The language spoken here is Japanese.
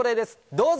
どうぞ！